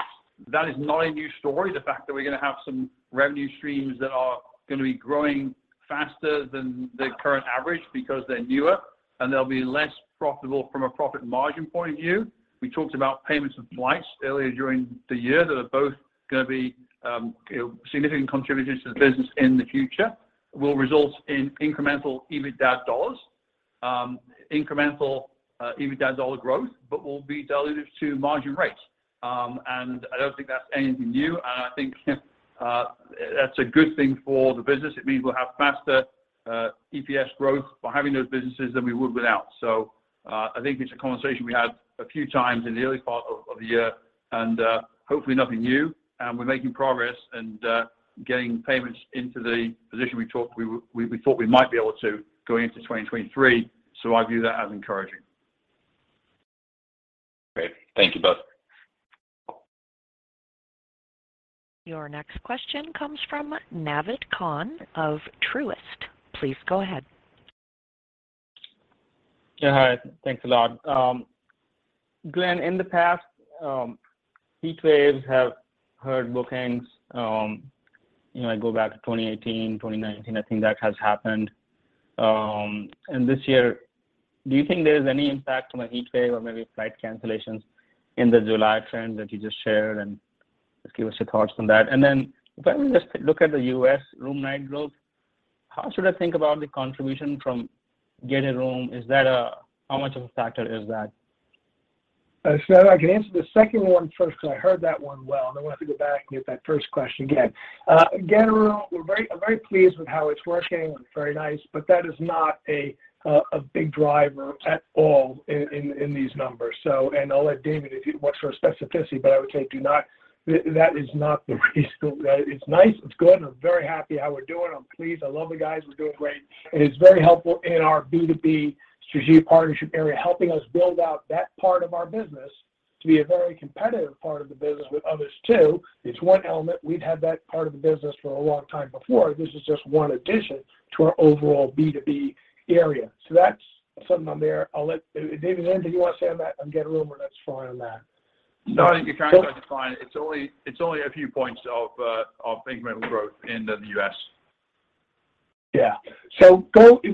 that is not a new story, the fact that we're going to have some revenue streams that are going to be growing faster than the current average because they're newer, and they'll be less profitable from a profit margin point of view. We talked about payments and flights earlier during the year that are both going to be, you know, significant contributions to the business in the future, will result in incremental EBITDA dollars, incremental EBITDA dollar growth, but will be dilutive to margin rates. I don't think that's anything new, and I think that's a good thing for the business. It means we'll have faster EPS growth by having those businesses than we would without. I think it's a conversation we had a few times in the early part of the year and hopefully nothing new. We're making progress and getting payments into the position we thought we might be able to going into 2023, so I view that as encouraging. Great. Thank you both. Your next question comes from Naved Khan of Truist. Please go ahead. Yeah, hi. Thanks a lot. Glenn, in the past, heatwaves have hurt bookings. You know, I go back to 2018, 2019. I think that has happened. This year, do you think there's any impact from a heatwave or maybe flight cancellations in the July trend that you just shared? Just give us your thoughts on that. When we just look at the U.S. room night growth, how should I think about the contribution from Getaroom? How much of a factor is that? I can answer the second one first because I heard that one well, and I don't want to have to go back and get that first question again. Getaroom, I'm very pleased with how it's working. It's very nice, but that is not a big driver at all in these numbers. I'll let David, if you want, for specificity, but I would say do not. That is not the reason. It's nice, it's good, and I'm very happy with how we're doing. I'm pleased. I love the guys. We're doing great. It's very helpful in our B2B strategic partnership area, helping us build out that part of our business to be a very competitive part of the business with others too. It's one element. We've had that part of the business for a long time before. This is just one addition to our overall B2B area. That's something on there. I'll let David, is there anything you want to say on that, on Getaroom, or that's fine on that? No, I think you're kind of good to fine. It's only a few points of incremental growth in the U.S. Yeah. If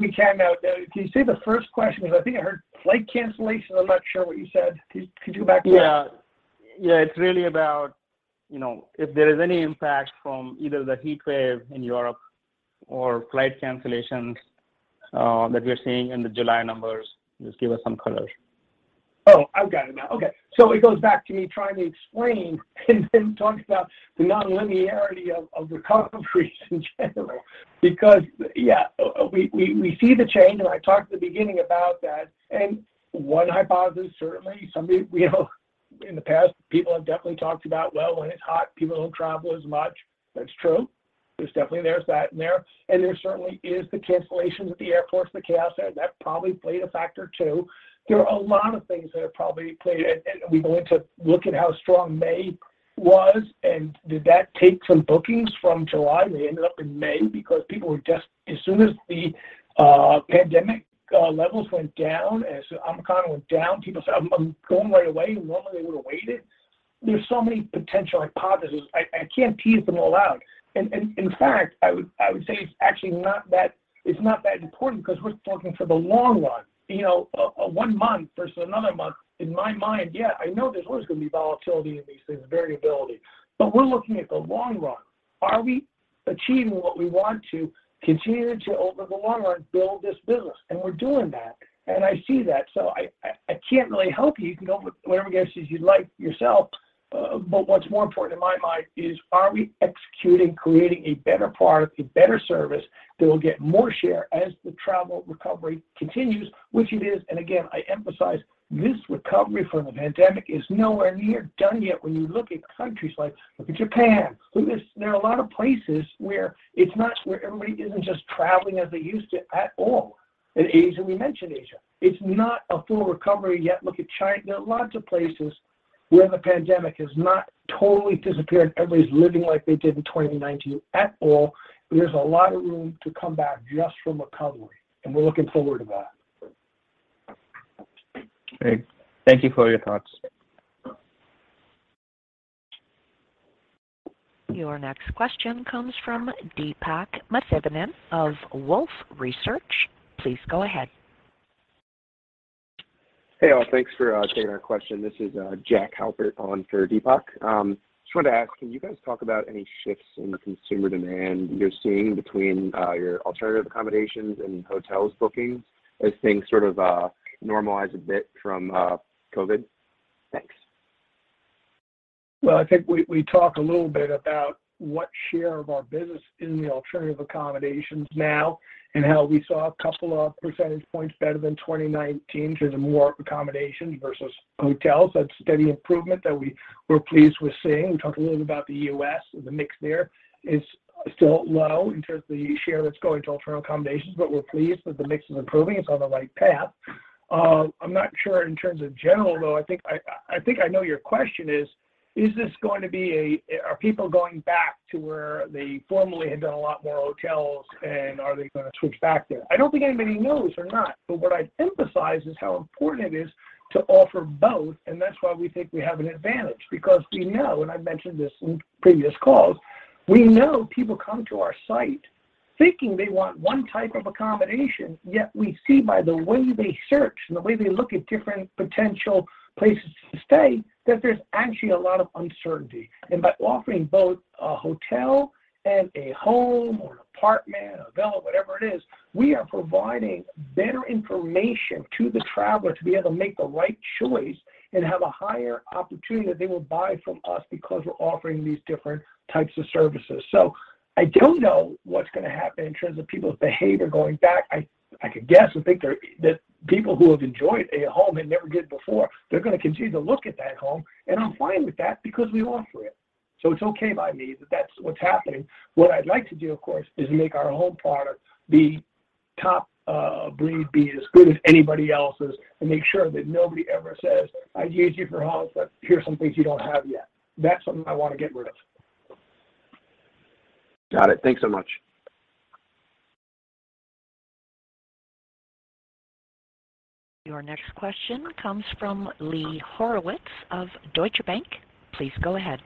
we can now, can you say the first question? Because I think I heard flight cancellations. I'm not sure what you said. Can you go back to that? Yeah. Yeah, it's really about, you know, if there is any impact from either the heatwave in Europe or flight cancellations, that we are seeing in the July numbers. Just give us some color. Oh, I've got it now. Okay. It goes back to me trying to explain and then talking about the non-linearity of recovery in general because, yeah, we see the change, and I talked at the beginning about that. One hypothesis, certainly, somebody, we know in the past, people have definitely talked about, well, when it's hot, people don't travel as much. That's true. There's definitely that in there. There certainly is the cancellations at the airports, the chaos there. That probably played a factor, too. There are a lot of things that have probably played, and we will need to look at how strong May was, and did that take some bookings from July that ended up in May because people were just as soon as the pandemic levels went down, as Omicron went down, people said, "I'm going right away," normally would have waited. There's so many potential hypotheses. I can't tease them all out. In fact, I would say it's actually not that important because we're talking for the long run. You know, a one month versus another month, in my mind, yeah, I know there's always gonna be volatility in these things, variability, but we're looking at the long run. Are we achieving what we want to continue to, over the long run, build this business? We're doing that, and I see that. I can't really help you. You can go with whatever guesses you'd like yourself. What's more important in my mind is, are we executing, creating a better product, a better service that will get more share as the travel recovery continues, which it is. I emphasize this recovery from the pandemic is nowhere near done yet when you look at countries like, look at Japan. Look at this. There are a lot of places where it's not where everybody isn't just traveling as they used to at all. In Asia, we mentioned Asia. It's not a full recovery yet. Look at China. There are lots of places where the pandemic has not totally disappeared, everybody's living like they did in 2019 at all. There's a lot of room to come back just from recovery, and we're looking forward to that. Great. Thank you for your thoughts. Your next question comes from Deepak Mathivanan of Wolfe Research. Please go ahead. Hey, all. Thanks for taking our question. This is Jack Halpert on for Deepak. Just wanted to ask, can you guys talk about any shifts in the consumer demand you're seeing between your alternative accommodations and hotels bookings as things sort of normalize a bit from COVID? Thanks. I think we talked a little bit about what share of our business is in the alternative accommodations now and how we saw a couple of percentage points better than 2019 because of more accommodations versus hotels. That's steady improvement that we were pleased with seeing. We talked a little bit about the U.S. and the mix there is still low in terms of the share that's going to alternative accommodations, but we're pleased that the mix is improving. It's on the right path. I'm not sure in general, though. I think I know your question is this going to be? Are people going back to where they formerly had done a lot more hotels, and are they gonna switch back there? I don't think anybody knows they're not. What I'd emphasize is how important it is to offer both, and that's why we think we have an advantage because we know, and I've mentioned this in previous calls, we know people come to our site thinking they want one type of accommodation, yet we see by the way they search and the way they look at different potential places to stay, that there's actually a lot of uncertainty. By offering both a hotel and a home or an apartment, a villa, whatever it is, we are providing better information to the traveler to be able to make the right choice and have a higher opportunity that they will buy from us because we're offering these different types of services. I don't know what's gonna happen in terms of people's behavior going back. I could guess and think they're that people who have enjoyed a home and never did before, they're gonna continue to look at that home, and I'm fine with that because we offer it. It's okay by me that that's what's happening. What I'd like to do, of course, is make our home product be top of breed, be as good as anybody else's, and make sure that nobody ever says, "I'd use you for homes, but here are some things you don't have yet." That's something I wanna get rid of. Got it. Thanks so much. Your next question comes from Lee Horowitz of Deutsche Bank. Please go ahead.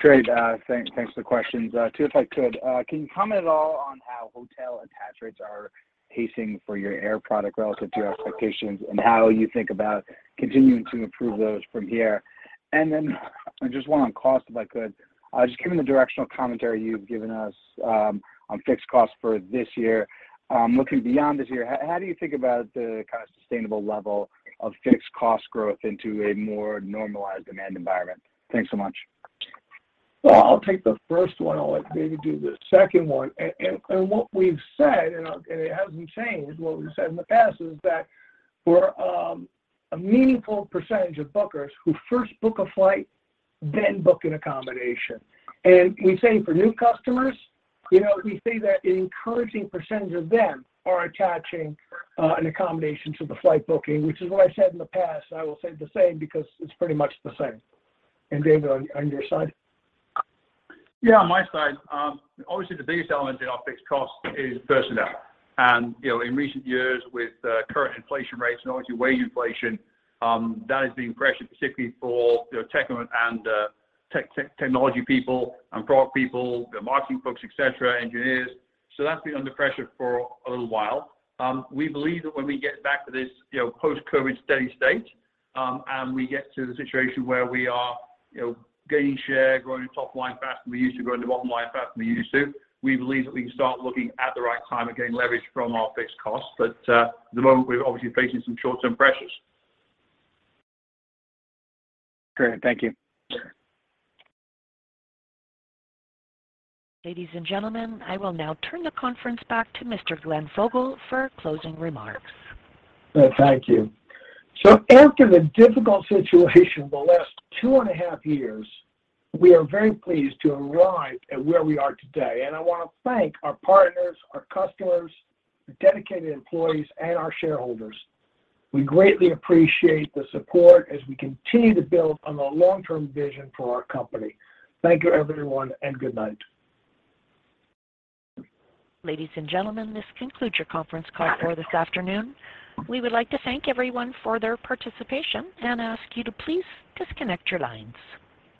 Great. Thanks for the questions. Two, if I could. Can you comment at all on how hotel attach rates are pacing for your air product relative to your expectations and how you think about continuing to improve those from here? Just one on cost, if I could. Just given the directional commentary you've given us on fixed costs for this year, looking beyond this year, how do you think about the kind of sustainable level of fixed cost growth into a more normalized demand environment? Thanks so much. Well, I'll take the first one. I'll let David do the second one. What we've said in the past is that we're a meaningful percentage of bookers who first book a flight, then book an accommodation. We say for new customers, you know, we say that an encouraging percentage of them are attaching an accommodation to the flight booking, which is what I said in the past. I will say the same because it's pretty much the same. David, on your side? Yeah. On my side, obviously the biggest element in our fixed cost is personnel. You know, in recent years with current inflation rates and obviously wage inflation, that has been pressured, particularly for, you know, tech and technology people and product people, the marketing folks, et cetera, engineers. That's been under pressure for a little while. We believe that when we get back to this, you know, post-COVID steady state, and we get to the situation where we are, you know, gaining share, growing top line faster than we used to, growing the bottom line faster than we used to, we believe that we can start looking at the right time at getting leverage from our fixed costs. At the moment, we're obviously facing some short-term pressures. Great. Thank you. Sure. Ladies and gentlemen, I will now turn the conference back to Mr. Glenn Fogel for closing remarks. Well, thank you. After the difficult situation the last two and a half years, we are very pleased to arrive at where we are today. I wanna thank our partners, our customers, our dedicated employees, and our shareholders. We greatly appreciate the support as we continue to build on the long-term vision for our company. Thank you, everyone, and good night. Ladies and gentlemen, this concludes your conference call for this afternoon. We would like to thank everyone for their participation and ask you to please disconnect your lines.